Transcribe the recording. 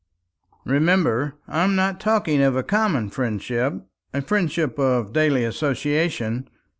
"Remember, I am not talking of a common friendship, a friendship of daily association.